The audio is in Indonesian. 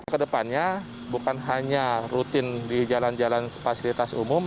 kedepannya bukan hanya rutin di jalan jalan fasilitas umum